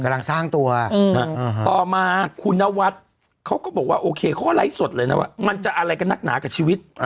สร้างตัวต่อมาคุณนวัดเขาก็บอกว่าโอเคเขาก็ไลฟ์สดเลยนะว่ามันจะอะไรกันนักหนากับชีวิต